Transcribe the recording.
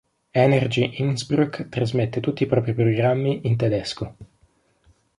Energy Innsbruck trasmette tutti i propri programmi in tedesco.